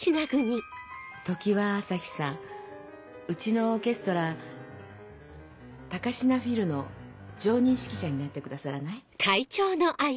常葉朝陽さんうちのオーケストラ高階フィルの常任指揮者になってくださらない？